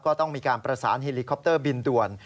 ก็ต้องมีการประสานเฮลิคอปเตอร์บินด่วน